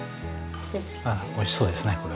ああおいしそうですね